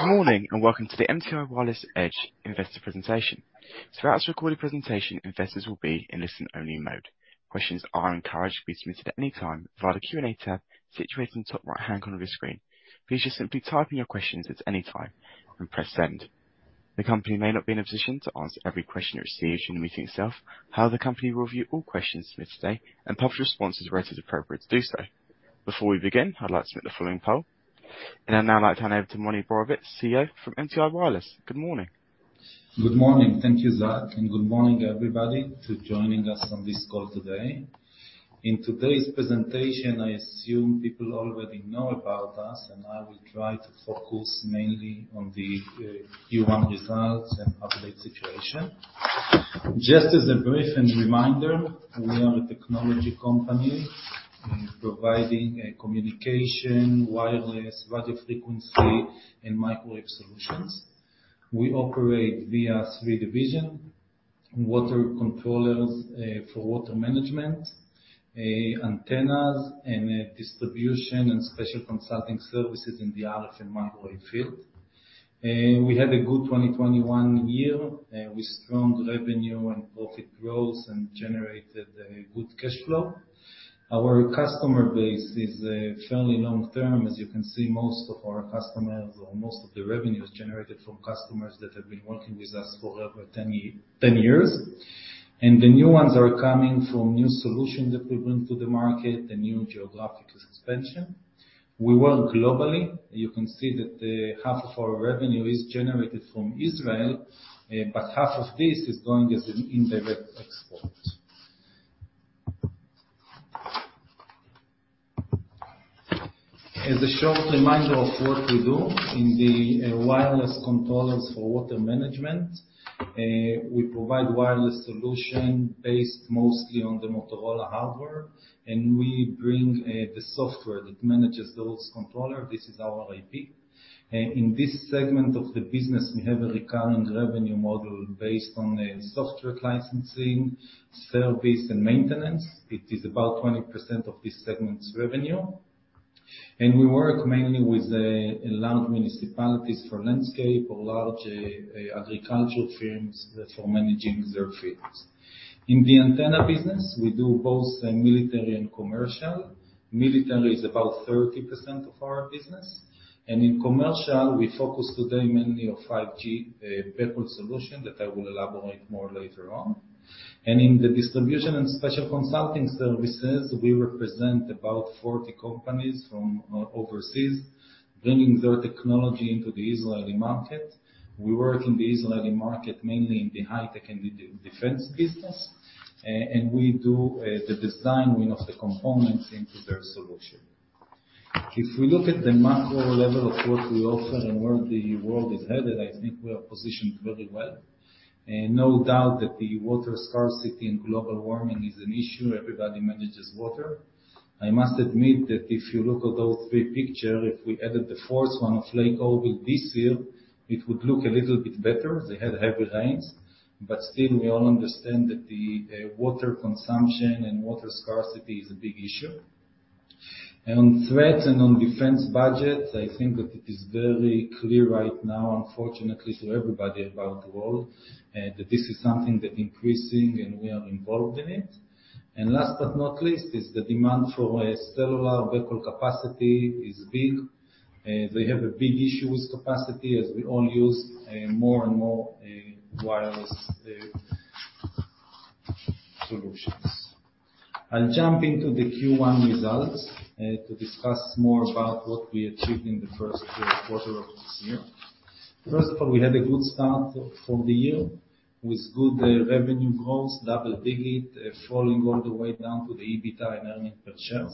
Good morning, and welcome to the M.T.I. Wireless Edge Investor Presentation. Throughout this recorded presentation, investors will be in listen-only mode. Questions are encouraged to be submitted at any time via the Q&A tab situated in the top right-hand corner of your screen. Please just simply type in your questions at any time and press send. The company may not be in a position to answer every question it receives during the meeting itself, however, the company will review all questions submitted today and publish responses where it is appropriate to do so. Before we begin, I'd like to submit the following poll. I'd now like to hand over to Moni Borovitz, CEO of M.T.I. Wireless Edge. Good morning. Good morning. Thank you, Zach, and good morning, everybody for joining us on this call today. In today's presentation, I assume people already know about us, and I will try to focus mainly on the Q1 results and update situation. Just as a brief reminder, we are a technology company providing communication, wireless, radio frequency, and microwave solutions. We operate via three divisions: water controllers for water management, antennas and distribution and special consulting services in the RF and microwave field. We had a good 2021, with strong revenue and profit growth and generated good cash flow. Our customer base is fairly long-term. As you can see, most of our customers or most of the revenue is generated from customers that have been working with us for over 10 years. New ones are coming from new solutions that we bring to the market and new geographic expansion. We work globally. You can see that, half of our revenue is generated from Israel, but half of this is going as an indirect export. As a short reminder of what we do in the wireless controllers for water management, we provide wireless solution based mostly on the Motorola hardware, and we bring the software that manages those controller. This is our IP. In this segment of the business, we have a recurring revenue model based on software licensing, service, and maintenance. It is about 20% of this segment's revenue. We work mainly with the large municipalities for landscape or large agricultural firms for managing their fields. In the antenna business, we do both military and commercial. Military is about 30% of our business, and in commercial, we focus today mainly on 5G, Backhaul solution that I will elaborate more later on. In the distribution and special consulting services, we represent about 40 companies from overseas, bringing their technology into the Israeli market. We work in the Israeli market mainly in the high tech and the defense business. We do the design of the components into their solution. If we look at the macro level of what we offer and where the world is headed, I think we are positioned very well. No doubt that the water scarcity and global warming is an issue. Everybody manages water. I must admit that if you look at those three pictures, if we added the fourth one of Lake Oroville this year, it would look a little bit better. They had heavy rains, but still we all understand that the water consumption and water scarcity is a big issue. On threats and on defense budget, I think that it is very clear right now, unfortunately for everybody about the world, that this is something that increasing and we are involved in it. Last but not least, the demand for cellular Backhaul capacity is big. They have a big issue with capacity as we all use more and more wireless solutions. I'll jump into the Q1 results to discuss more about what we achieved in the Q1 of this year. First of all, we had a good start for the year with good revenue growth, double-digit, flowing all the way down to the EBITDA and earnings per share.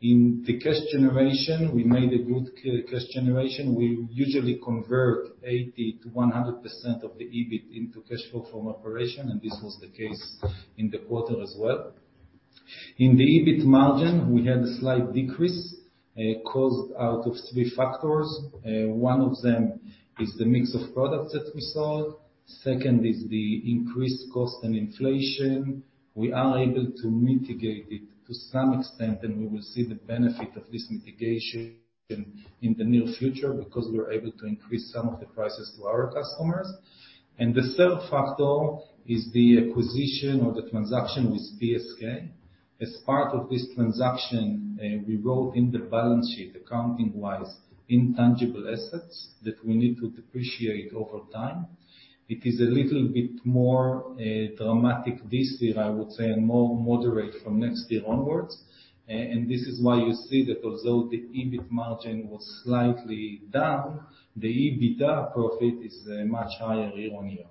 In the cash generation, we made a good cash generation. We usually convert 80%-100% of the EBIT into cash flow from operation, and this was the case in the quarter as well. In the EBIT margin, we had a slight decrease, caused by three factors. One of them is the mix of products that we sold. Second is the increased cost and inflation. We are able to mitigate it to some extent, and we will see the benefit of this mitigation in the near future because we were able to increase some of the prices to our customers. The third factor is the acquisition or the transaction with PSK. As part of this transaction, we wrote in the balance sheet, accounting-wise, intangible assets that we need to depreciate over time. It is a little bit more dramatic this year, I would say, and more moderate from next year onwards. This is why you see that although the EBIT margin was slightly down, the EBITDA profit is much higher year-over-year.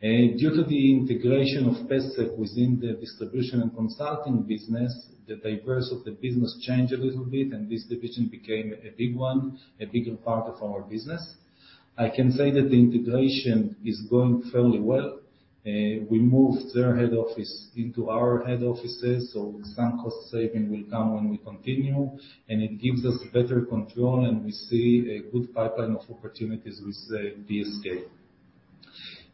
Due to the integration of PSK within the distribution and consulting business, the diversity of the business changed a little bit and this division became a big one, a bigger part of our business. I can say that the integration is going fairly well. We moved their head office into our head offices, so some cost savings will come when we continue, and it gives us better control, and we see a good pipeline of opportunities with PSK.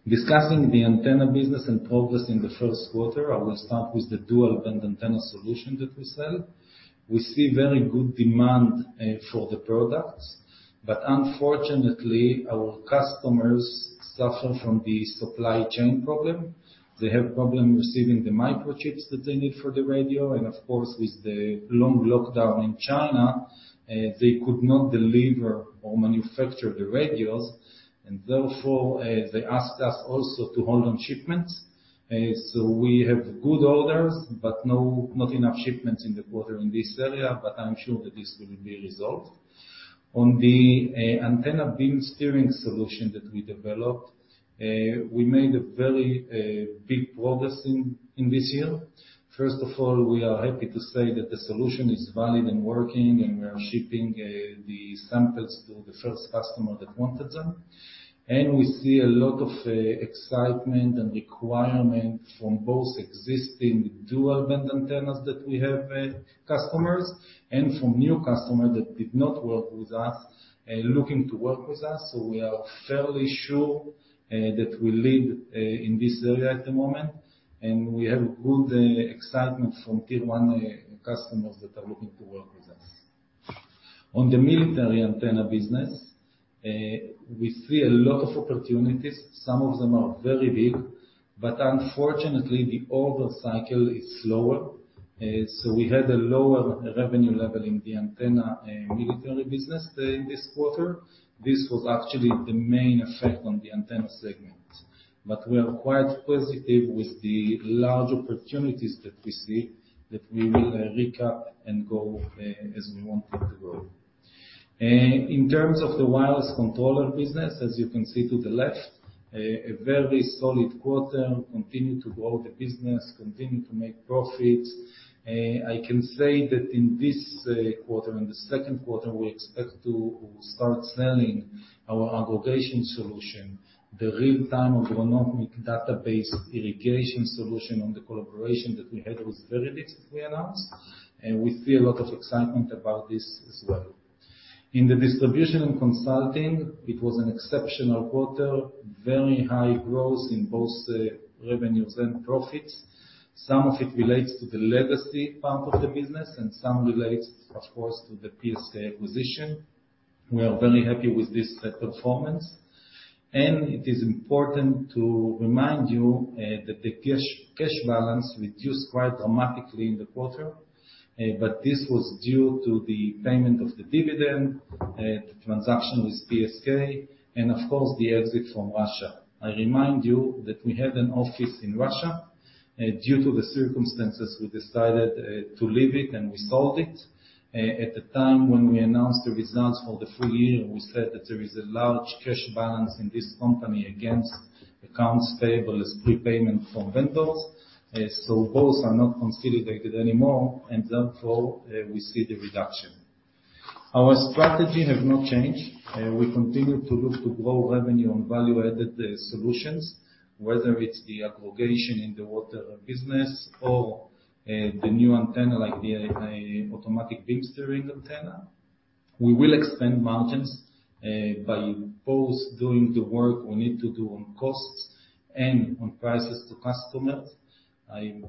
Discussing the antenna business and progress in Q1, I will start with the dual band antenna solution that we sell. We see very good demand for the products, but unfortunately, our customers suffer from the supply chain problem. They have problem receiving the microchips that they need for the radio, and of course, with the long lockdown in China, they could not deliver or manufacture the radios, and therefore, they asked us also to hold on shipments. We have good orders, but not enough shipments in the quarter in this area, but I'm sure that this will be resolved. On the antenna beam steering solution that we developed, we made a very big progress in this year. First of all, we are happy to say that the solution is valid and working, and we are shipping the samples to the first customer that wanted them. We see a lot of excitement and requirement from both existing dual band antennas that we have customers and from new customers that did not work with us looking to work with us, so we are fairly sure that we lead in this area at the moment, and we have good excitement from Tier 1 customers that are looking to work with us. On the military antenna business, we see a lot of opportunities. Some of them are very big, but unfortunately, the order cycle is slower. We had a lower revenue level in the antenna and military business there in this quarter. This was actually the main effect on the antenna segment. We are quite positive with the large opportunities that we see that we will recap and go as we wanted to go. In terms of the wireless controller business, as you can see to the left, very solid quarter, continue to grow the business, continue to make profits. I can say that in this quarter, in Q2, we expect to start selling our aggregation solution, the real-time agronomical database irrigation solution on the collaboration that we had with Viridix that we announced, and we see a lot of excitement about this as well. In the distribution and consulting, it was an exceptional quarter, very high growth in both, revenues and profits. Some of it relates to the legacy part of the business and some relates, of course, to the PSK acquisition. We are very happy with this performance. It is important to remind you that the cash balance reduced quite dramatically in the quarter, but this was due to the payment of the dividend, the transaction with PSK and of course, the exit from Russia. I remind you that we had an office in Russia. Due to the circumstances, we decided to leave it and we sold it. At the time when we announced the results for the full year, we said that there is a large cash balance in this company against accounts payable as prepayment from vendors. So both are not consolidated anymore, and therefore, we see the reduction. Our strategy have not changed. We continue to look to grow revenue on value-added solutions, whether it's the aggregation in the water business or, the new antenna like the, Automatic Beam Steering Antenna. We will expand margins by both doing the work we need to do on costs and on prices to customers. I'm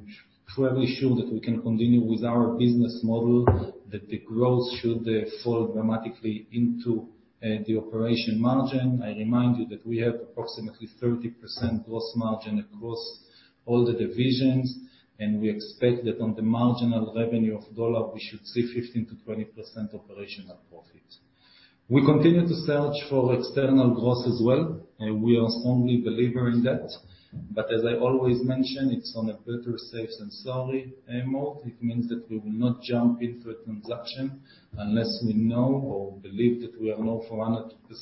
fairly sure that we can continue with our business model, that the growth should fall dramatically into the operating margin. I remind you that we have approximately 30% gross margin across all the divisions, and we expect that on the marginal revenue of $1, we should see 15%-20% operating profit. We continue to search for external growth as well, and we are strongly believer in that. As I always mention, it's on a better safe than sorry mode. It means that we will not jump into a transaction unless we know or believe that we will know for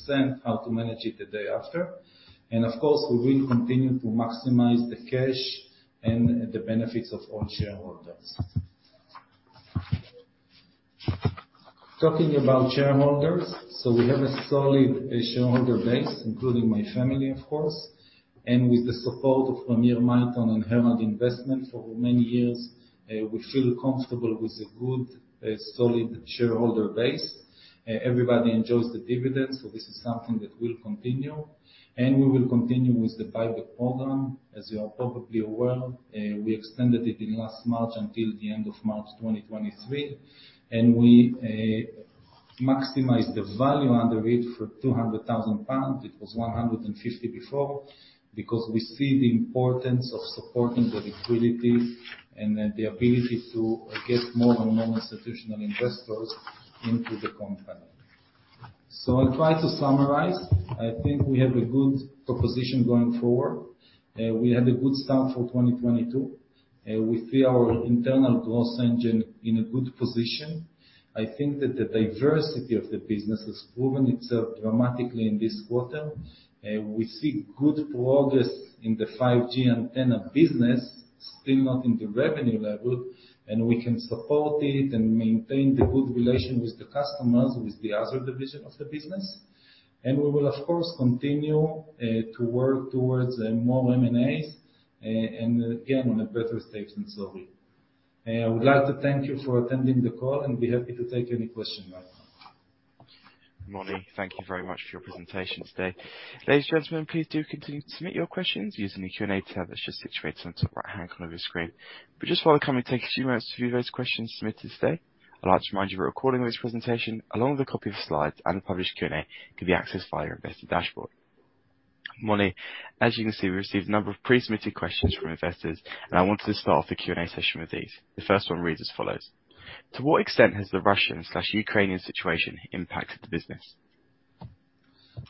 100% how to manage it the day after. Of course, we will continue to maximize the cash and the benefits of all shareholders. Talking about shareholders, we have a solid shareholder base, including my family, of course. With the support of Premier Miton and Herald Investment for many years, we feel comfortable with a good, solid shareholder base. Everybody enjoys the dividends, so this is something that will continue. We will continue with the buyback program. As you are probably aware, we extended it in last March until the end of March 2023, and we maximize the value under it for 200,000 pounds. It was 150,000 before. Because we see the importance of supporting the liquidity and the ability to get more and more institutional investors into the company. I try to summarize. I think we have a good proposition going forward. We had a good start for 2022. We see our internal growth engine in a good position. I think that the diversity of the business has proven itself dramatically in this quarter. We see good progress in the 5G antenna business, still not in the revenue level, and we can support it and maintain the good relation with the customers, with the other division of the business. We will, of course, continue to work towards more M&As, and again, on a better safe than sorry. I would like to thank you for attending the call and be happy to take any question now. Moni, thank you very much for your presentation today. Ladies and gentlemen, please do continue to submit your questions using the Q&A tab that's just situated on the top right-hand corner of your screen. Just while the company takes a few minutes to view those questions submitted today, I'd like to remind you a recording of this presentation, along with a copy of slides and a published Q&A, can be accessed via your investor dashboard. Moni, as you can see, we received a number of pre-submitted questions from investors, and I wanted to start off the Q&A session with these. The first one reads as follows: To what extent has the Russian/Ukrainian situation impacted the business?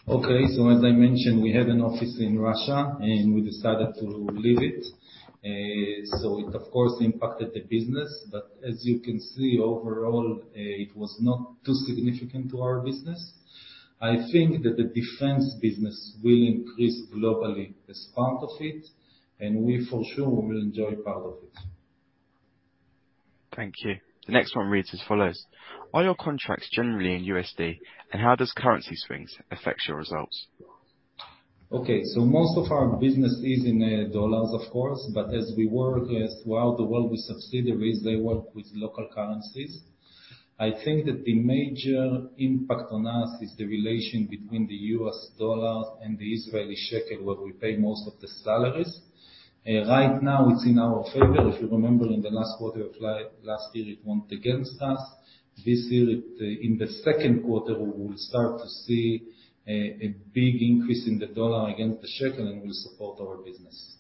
Okay. As I mentioned, we have an office in Russia, and we decided to leave it. It of course impacted the business, but as you can see overall, it was not too significant to our business. I think that the defense business will increase globally as part of it, and we for sure will enjoy part of it. Thank you. The next one reads as follows: Are your contracts generally in USD, and how do currency swings affect your results? Okay, most of our business is in dollars of course, but as we work throughout the world with subsidiaries, they work with local currencies. I think that the major impact on us is the relation between the U.S. dollar and the Israeli shekel, where we pay most of the salaries. Right now, it's in our favor. If you remember in the last quarter of last year, it went against us. This year, in Q2, we will start to see a big increase in the dollar against the shekel, and will support our business.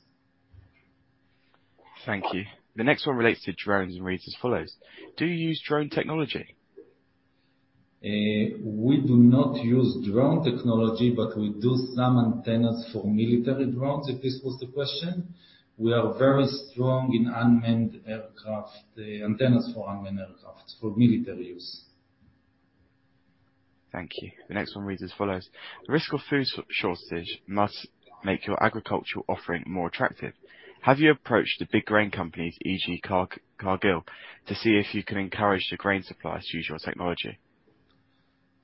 Thank you. The next one relates to drones and reads as follows. Do you use drone technology? We do not use drone technology, but we do some antennas for military drones, if this was the question. We are very strong in unmanned aircraft, antennas for unmanned aircraft for military use. Thank you. The next one reads as follows: Risk of food shortage must make your agricultural offering more attractive. Have you approached the big grain companies, e.g. Cargill, to see if you can encourage the grain suppliers to use your technology?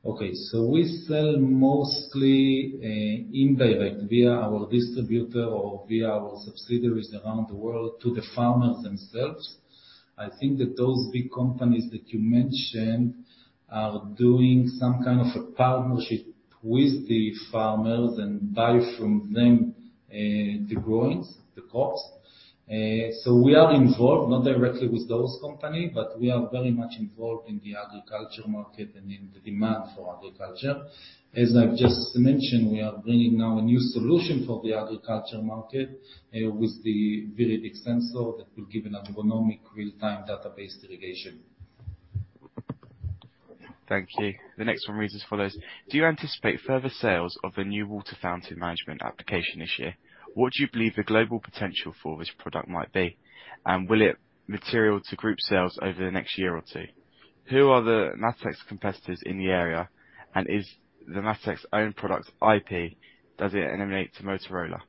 Okay, we sell mostly indirect via our distributor or via our subsidiaries around the world to the farmers themselves. I think that those big companies that you mentioned are doing some kind of a partnership with the farmers and buy from them, the grains, the crops. We are involved, not directly with those companies, but we are very much involved in the agriculture market and in the demand for agriculture. As I've just mentioned, we are bringing now a new solution for the agriculture market, with the Viridix Sensor that will give an agronomic real-time database irrigation. Thank you. The next one reads as follows: Do you anticipate further sales of the new water management application this year? What do you believe the global potential for this product might be? Will it be material to group sales over the next year or two? Who are Mottech's competitors in the area, and is Mottech's own product IP? Does it emanate from Motorola?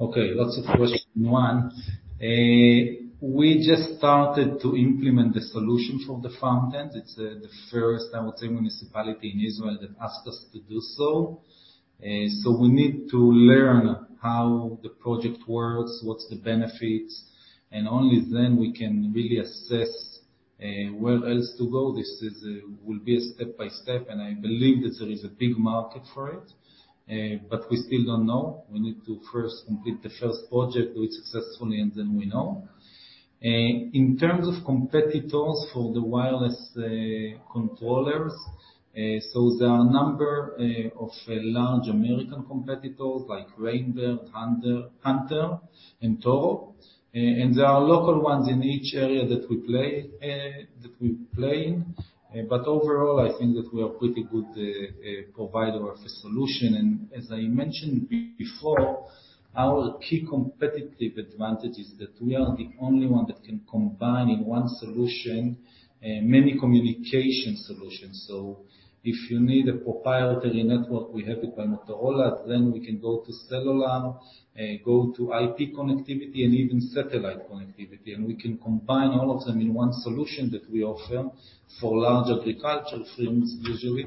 Okay, lots of questions. One, we just started to implement the solution for the fountains. It's the first, I would say, municipality in Israel that asked us to do so. We need to learn how the project works, what's the benefits, and only then we can really assess where else to go. This will be a step-by-step, and I believe that there is a big market for it, but we still don't know. We need to first complete the first project, do it successfully, and then we know. In terms of competitors for the wireless controllers, there are a number of large American competitors like Rain Bird, Hunter and Toro. There are local ones in each area that we play in. Overall, I think that we are pretty good provider of the solution. As I mentioned before, our key competitive advantage is that we are the only one that can combine in one solution many communication solutions. If you need a proprietary network, we have it by Motorola. We can go to cellular, go to IP connectivity and even satellite connectivity, and we can combine all of them in one solution that we offer for large agricultural firms usually.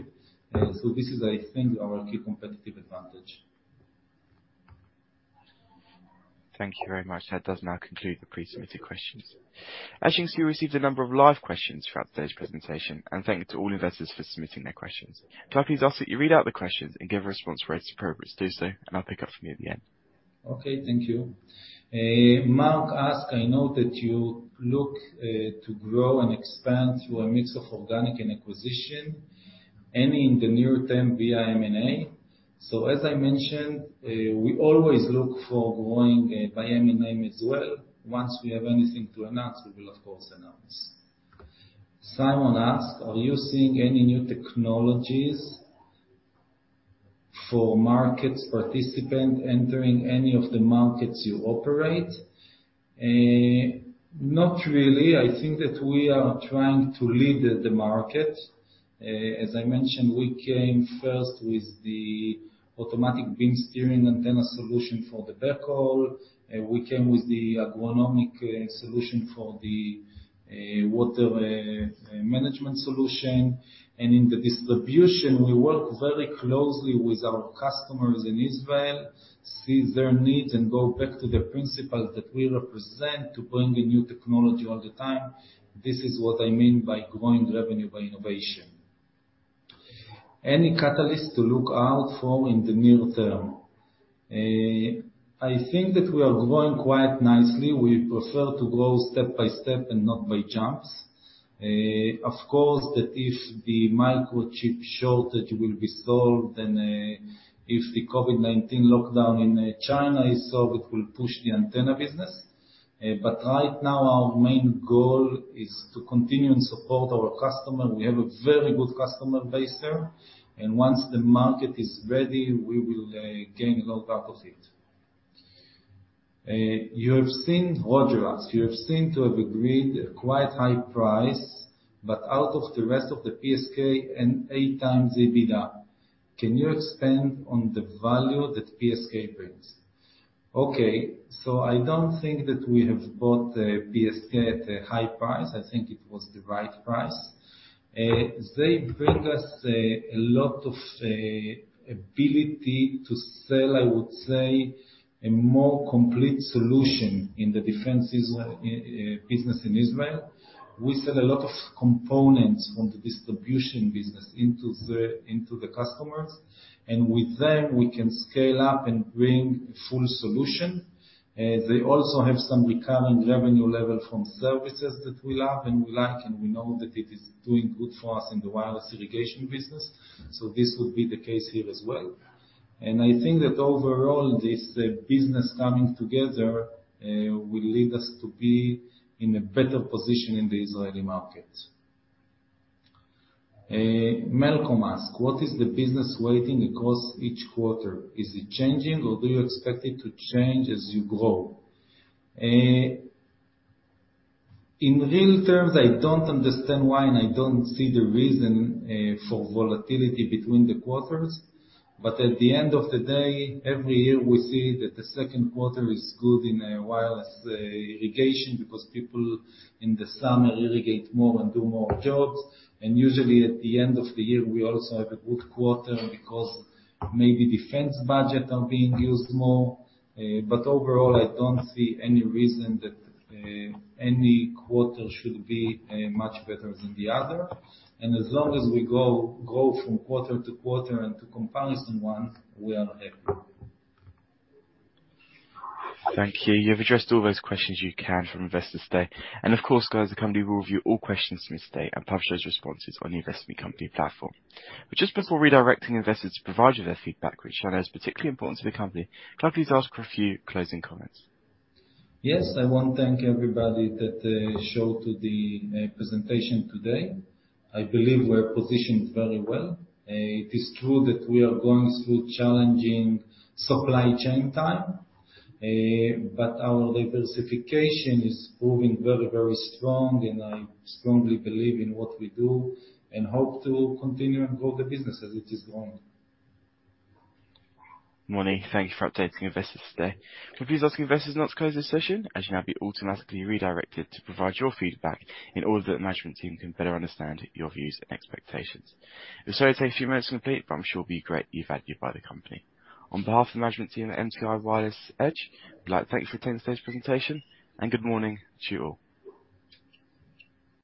This is, I think, our key competitive advantage. Thank you very much. That does now conclude the pre-submitted questions. As you can see, we've received a number of live questions throughout today's presentation, and thank you to all investors for submitting their questions. If I may, please ask that you read out the questions and give a response where it's appropriate to do so, and I'll pick up from you at the end. Okay, thank you. Mark asked, I know that you look to grow and expand through a mix of organic and acquisition. Any in the near term via M&A? As I mentioned, we always look for growing by M&A as well. Once we have anything to announce, we will of course announce. Simon asked, "Are you seeing any new technologies or market participants entering any of the markets you operate?" Not really. I think that we are trying to lead the market. As I mentioned, we came first with the automatic beam steering antenna solution for the E-band. We came with the agronomic solution for the water management solution. In the distribution, we work very closely with our customers in Israel, see their needs and go back to the principles that we represent to bring a new technology all the time. This is what I mean by growing revenue by innovation. Any catalyst to look out for in the near term? I think that we are growing quite nicely. We prefer to grow step by step and not by jumps. Of course, that if the microchip shortage will be solved, then, if the COVID-19 lockdown in China is solved, it will push the antenna business. But right now, our main goal is to continue and support our customer. We have a very good customer base there, and once the market is ready, we will gain a lot out of it. Roger asks, "You have seemed to have agreed a quite high price, but outside the rest of the PSK and 8x EBITDA. Can you expand on the value that PSK brings?" Okay, I don't think that we have bought PSK at a high price. I think it was the right price. They bring us a lot of ability to sell, I would say, a more complete solution in the defense business in Israel. We sell a lot of components from the distribution business into the customers, and with them, we can scale up and bring full solution. They also have some recurring revenue level from services that we have and we like, and we know that it is doing good for us in the wireless irrigation business, so this will be the case here as well. I think that overall, this business coming together will lead us to be in a better position in the Israeli market. Malcolm asked, "What is the business weighting across each quarter? Is it changing or do you expect it to change as you grow?" In real terms, I don't understand why, and I don't see the reason for volatility between the quarters. At the end of the day, every year we see that Q2 is good in wireless irrigation because people in the summer irrigate more and do more jobs. Usually, at the end of the year, we also have a good quarter because maybe defense budget are being used more. Overall, I don't see any reason that any quarter should be much better than the other. As long as we grow from quarter to quarter and to comparison one, we are happy. Thank you. You have addressed all those questions you can from Investors Day. Of course, guys, the company will review all questions from this day and publish those responses on the Investor Company platform. Just before redirecting investors to provide you their feedback, which I know is particularly important to the company, can I please ask for a few closing comments? Yes. I want to thank everybody that showed up to the presentation today. I believe we're positioned very well. It is true that we are going through challenging supply chain times, but our diversification is proving very, very strong, and I strongly believe in what we do and hope to continue and grow the business as it is going. Moni, thank you for updating investors today. Can I please ask investors now to close this session, as you'll now be automatically redirected to provide your feedback in order that management team can better understand your views and expectations. The survey takes a few minutes to complete, but I'm sure it will be great value added by the company. On behalf of the management team at M.T.I. Wireless Edge, I'd like to thank you for attending today's presentation, and good morning to you all.